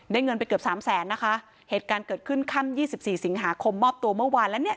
ได้เงินไปเกือบ๓๐๐๐๐๐นะคะเหตุการณ์เกิดขึ้นขั้น๒๔สิงหาคมมอบตัวเมื่อวานแล้วเนี่ย